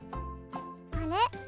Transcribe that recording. あれ？